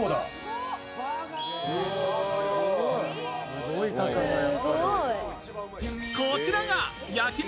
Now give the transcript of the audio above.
すごい高さや。